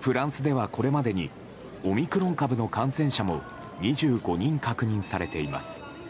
フランスでは、これまでにオミクロン株の感染者も２５人確認されています。